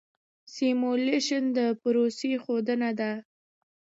سیمولیشن د پروسې ښودنه ده.